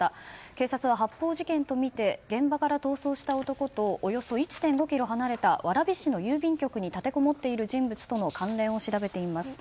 警察は発砲事件とみて現場から逃走した男とおよそ１．５ｋｍ離れた蕨市の郵便局に立てこもっている人物との関連を調べています。